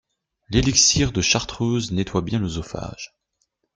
L'elixir de chartreuse nettoie bien l'oesophage.